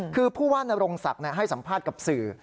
คือผู้ว่านรงศักดิ์ให้สัมภาษณ์กับสื่อ